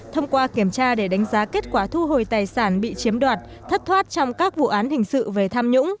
thông qua kiểm tra để đánh giá kết quả thu hồi tài sản bị chiếm đoạt thất thoát trong các vụ án hình sự về tham nhũng